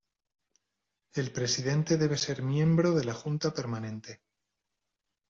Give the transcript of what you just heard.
El presidente debe ser miembro de la Junta Permanente.